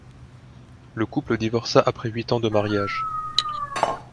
Le couple divorça après huit ans de mariage.